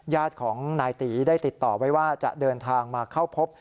ญาติของนายตีได้ติดต่อไว้ว่าจะเดินทางมาเข้าพบ